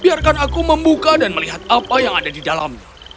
biarkan aku membuka dan melihat apa yang ada di dalamnya